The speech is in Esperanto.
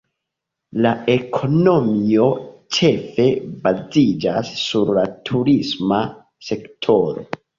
La ekonomio ĉefe baziĝas sur la turisma sektoro.